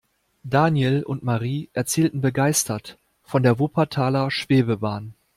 Daniel und Marie erzählten begeistert von der Wuppertaler Schwebebahn.